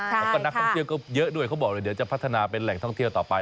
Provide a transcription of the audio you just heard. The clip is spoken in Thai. แล้วก็นักท่องเที่ยวก็เยอะด้วยเขาบอกเลยเดี๋ยวจะพัฒนาเป็นแหล่งท่องเที่ยวต่อไป